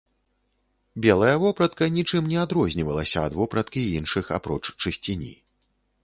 Белая вопратка нічым не адрознівалася ад вопраткі іншых, апроч чысціні.